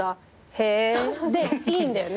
へぇでいいんだよね。